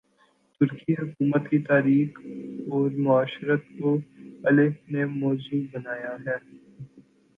ترکی حکومت کی تاریخ اور معاشرت کو ایلف نے موضوع بنایا ہے